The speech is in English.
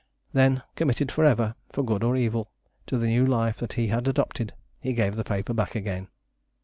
Then committed for ever, for good or evil, to the new life that he had adopted he gave the paper back again.